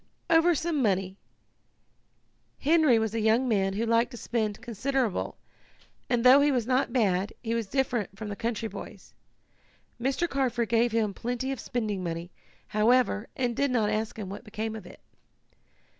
"Over some money. Henry was a young man who liked to spend considerable, and though he was not bad he was different from the country boys. Mr. Carford gave him plenty of spending money, however, and did not ask him what became of it.